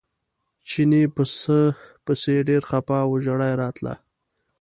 چیني پسه پسې ډېر خپه و ژړا یې راتله.